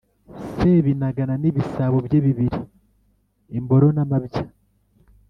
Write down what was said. sebinagana n'ibisabo bye bibiri- imboro n'amabya.